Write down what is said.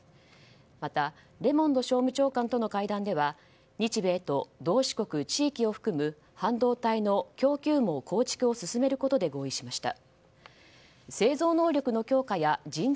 また、レモンド商務長官との会談では日米と同志国・地域を含む半導体の供給網構築を進めることで合意しました。